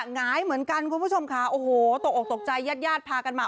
หงายเหมือนกันคุณผู้ชมค่ะโอ้โหตกออกตกใจญาติญาติพากันมา